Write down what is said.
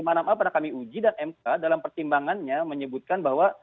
pasal satu ratus lima puluh enam a pernah kami uji dan mk dalam pertimbangannya menyebutkan bahwa